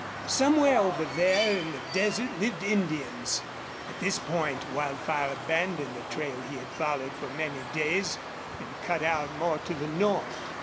Somewhere over there in the desert lived Indians. At this point Wildfire abandoned the trail he had followed for many days and cut out more to the north.